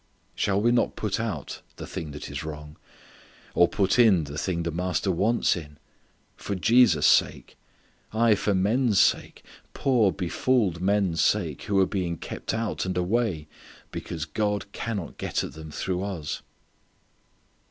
Shall we not put out the thing that is wrong? or put in the thing the Master wants in? For Jesus' sake? Aye for men's sake: poor befooled men's sake who are being kept out and away because God cannot get at them through us!